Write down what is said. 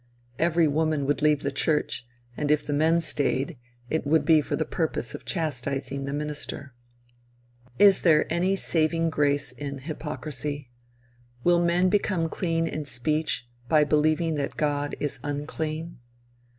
Every woman would leave the church, and if the men stayed, it would be for the purpose of chastising the minister. Is there any saving grace in hypocrisy? Will men become clean in speech by believing that God is unclean?